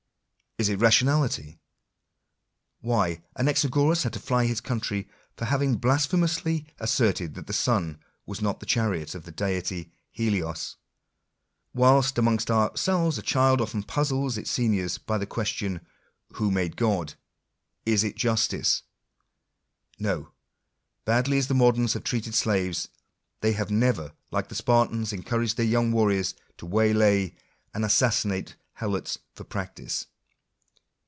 Is it in rationality? Why, Anaxagoras had to fly his country for having hlasphemously asserted that the sun was not the chariot of the deity Helios : whilst amongst ourselves a child often puzzles its seniors by the question — Who made God ? Is it in justice ? No : badly as the moderns have treated slaves, they have never, like the Spartans, encouraged their young warriors to waylay and as sassinate helots for practice.